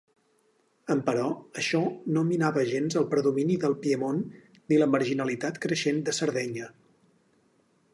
Emperò, això no minava gens el predomini del Piemont ni la marginalitat creixent de Sardenya.